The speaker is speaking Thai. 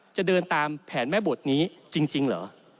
จะเดินตามแผนแม่บทนี้จริงเหรอ